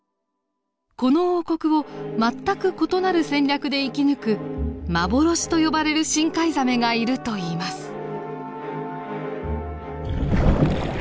この王国を全く異なる戦略で生き抜く幻と呼ばれる深海ザメがいるといいます。